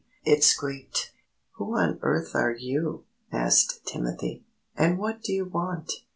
it squeaked. "Who on earth are you," asked Timothy, "and what do you want?"